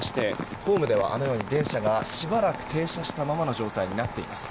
ホームではあのように電車がしばらく停車したままの状態になっています。